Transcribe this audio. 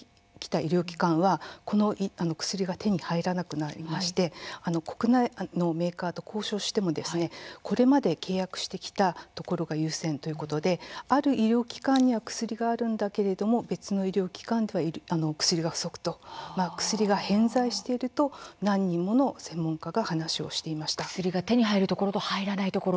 そのため海外のメーカーから薬を購入してきた医療機関はこの薬が手に入らなくなりまして国内メーカーと交渉してもこれまで契約してきたところが優先ということである医療機関には薬があるんだけど別の医療機関では薬が不足と薬が偏在していると何人もの専門家が話をしています。